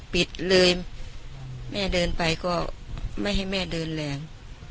ปิดเลยแม่เดินไปก็ไม่ให้แม่เดินแรง